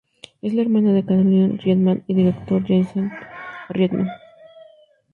Es la hermana de Caroline Reitman y del director Jason Reitman.